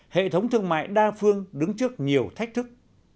hệ thống thương mại đa phương đứng trước nhiều thách thức